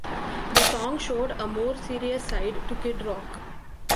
The song showed a more serious side to Kid Rock.